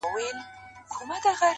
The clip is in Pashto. لوړ همت د خنډونو تر شا ګوري’